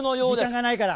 時間がないから。